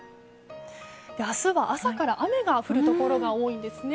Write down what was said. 明日は朝から雨が降るところが多いんですね。